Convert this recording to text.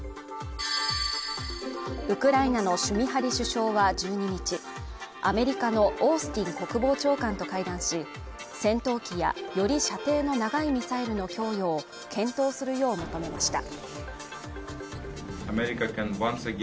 ウクライナのシュミハリ首相は１２日アメリカのオースティン国防長官と会談し、戦闘機や、より射程の長いミサイルの供与を検討するよう求めました。